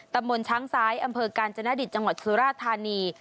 ตำบลช้างซ้ายอำเภอกาญจนดิตจังหวัดสุราธานี